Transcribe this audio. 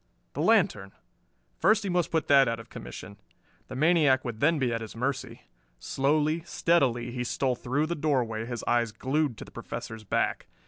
The lantern! First he must put that out of commission. The maniac would then be at his mercy. Slowly, steadily he stole through the doorway, his eyes glued to the Professor's back.